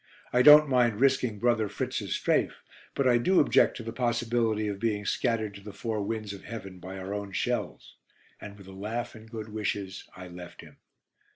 I don't mind risking Brother Fritz's 'strafe,' but I do object to the possibility of being scattered to the four winds of heaven by our own shells." And with a laugh and good wishes, I left him.